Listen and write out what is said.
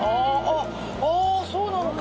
あそうなのか。